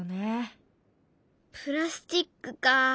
プラスチックかあ。